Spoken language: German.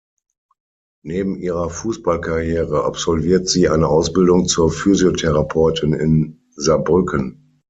Neben ihrer Fußballkarriere absolviert sie eine Ausbildung zur Physiotherapeutin in Saarbrücken.